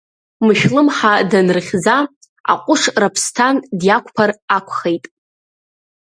Мышәылмҳа данрыхьӡа, аҟәыш Раԥсҭан диақәԥар акәхеит.